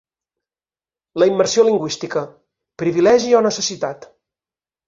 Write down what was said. La immersió lingüística: privilegi o necessitat?